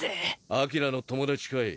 アキラの友達かい？